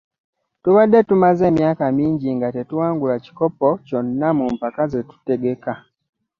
Tubadde tumaze emyaka mingi nga tetuwangula kikkopo kyonna mu mpaka zetutegeka.